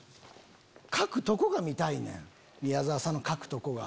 書くとこが見たいねん宮沢さんの書くとこが。